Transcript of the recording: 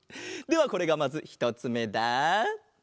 ではこれがまずひとつめだ！